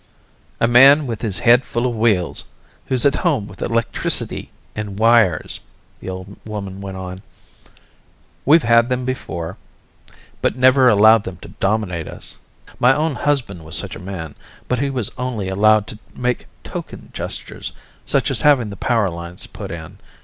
"A man with his head full of wheels, who's at home with electricity and wires," the old woman went on. "We've had them before, but never allowed them to dominate us. My own husband was such a man, but he was only allowed to make token gestures, such as having the power lines put in.